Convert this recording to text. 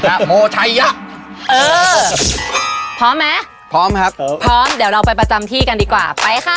โมชัยยะเออพร้อมไหมพร้อมครับผมพร้อมเดี๋ยวเราไปประจำที่กันดีกว่าไปค่ะ